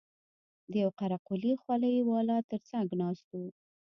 د يوه قره قلي خولۍ والا تر څنگ ناست و.